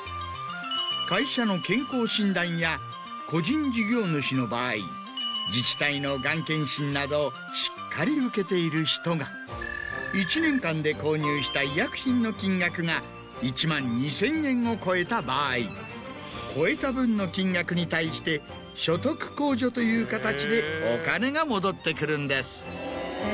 個人事業主の場合。などしっかり受けている人が１年間で購入した医薬品の金額が１万２０００円を超えた場合超えた分の金額に対して所得控除という形でお金が戻ってくるんです。